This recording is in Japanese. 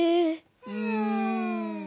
うん。